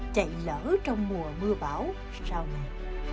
chạy lở trong mùa mưa bão sau này